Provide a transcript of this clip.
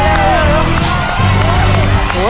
มีทั้งหมด๔จานแล้วนะฮะ